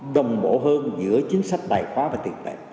đồng bộ hơn giữa chính sách đài khóa và tiền tệ